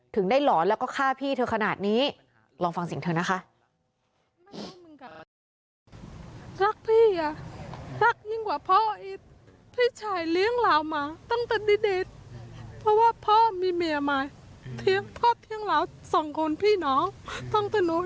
ได้หลอนแล้วก็ฆ่าพี่เธอขนาดนี้ลองฟังเสียงเธอนะคะ